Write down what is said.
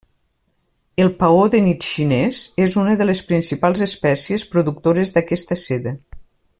El paó de nit xinés és una de les principals espècies productores d'aquesta seda.